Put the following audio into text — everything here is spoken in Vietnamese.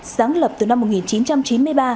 sáng lập từ năm một nghìn chín trăm chín mươi ba